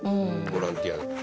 ボランティアが。